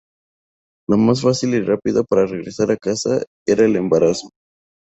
Lo más fácil y rápido para regresar a casa era el embarazo.